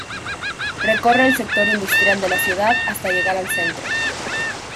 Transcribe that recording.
Recorre el sector Industrial de la ciudad hasta llegar al centro.